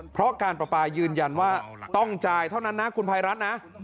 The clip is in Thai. เพราะการประปายืนยันว่าต้องจ่ายเท่านั้นนะคุณภัยรัฐนะ